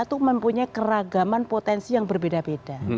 itu mempunyai keragaman potensi yang berbeda beda